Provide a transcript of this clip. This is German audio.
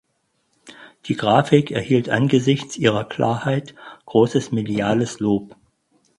Die Grafik erhielt angesichts ihrer Klarheit großes mediales Lob.